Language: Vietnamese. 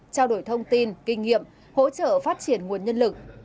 trao đổi thông tin kinh nghiệm hỗ trợ phát triển nguồn nhân lực